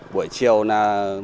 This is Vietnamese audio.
buổi chiều là